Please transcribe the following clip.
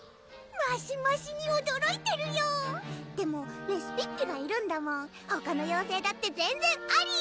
マシマシにおどろいてるよでもレシピッピがいるんだもんほかの妖精だって全然あり！